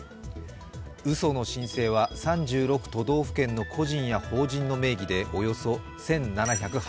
うその申請は３都道府県の個人や法人の名義でおよそ１７８０件。